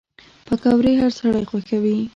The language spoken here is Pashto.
پکورې هر سړی خوښوي